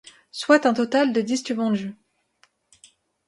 Soit un total de disques vendus.